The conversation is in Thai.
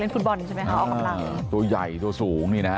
ฟุตบอลใช่ไหมคะออกกำลังตัวใหญ่ตัวสูงนี่นะฮะ